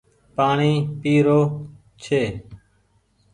پآڻيٚ پي رو ڇي۔